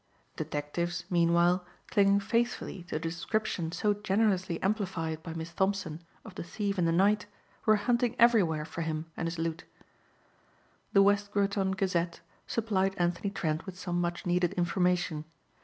Detectives, meanwhile, clinging faithfully to the description so generously amplified by Miss Thompson of the thief in the night, were hunting everywhere for him and his loot. The West Groton Gazette supplied Anthony Trent with some much needed information.